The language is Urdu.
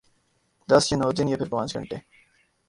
دس یا نو دن یا پھر پانچ گھنٹے؟